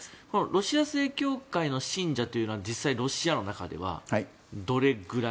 ロシア正教会の信者というのは実際にロシアの中ではどれくらい？